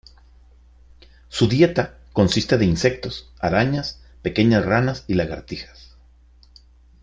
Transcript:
Su dieta consiste de insectos, arañas, pequeñas ranas y lagartijas.